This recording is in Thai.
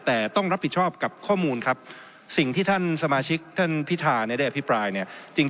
แต่ต้องรับผิดชอบกับข้อมูลครับสิ่งที่ท่านสมาชิกท่านพิธาเนี่ยได้อภิปรายเนี่ย